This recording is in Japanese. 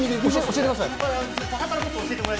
教えてください。